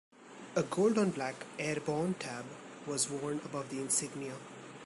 A gold on black "Airborne" tab was worn above the insignia.